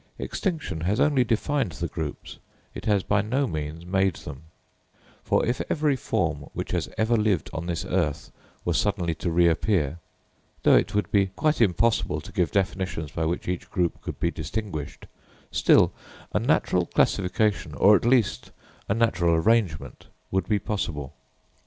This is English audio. Extinction has only defined the groups: it has by no means made them; for if every form which has ever lived on this earth were suddenly to reappear, though it would be quite impossible to give definitions by which each group could be distinguished, still a natural classification, or at least a natural arrangement, would be possible.